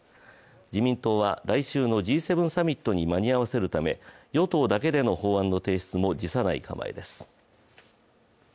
自民党は来週のＧ７サミットに間に合わせるため、与党だけでの法案の提出も辞さない構えです。